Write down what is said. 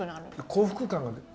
幸福感が出る。